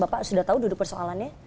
bapak sudah tahu duduk persoalannya